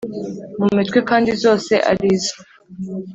mu mitwe kandi zose ari ize.